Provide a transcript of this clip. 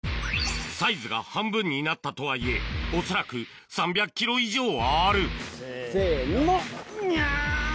サイズが半分になったとはいえ恐らく３００ｋｇ以上はあるせの！やぁ！